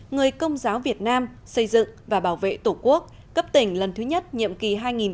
người công giáo việt nam xây dựng và bảo vệ tổ quốc cấp tỉnh lần thứ nhất nhiệm kỳ hai nghìn một mươi chín hai nghìn hai mươi bốn